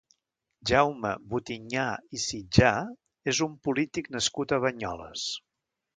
Jaume Butinyà i Sitjà és un polític nascut a Banyoles.